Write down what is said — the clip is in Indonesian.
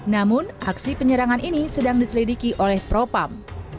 namun aksi penyerangan ini sedang diselidiki oleh propam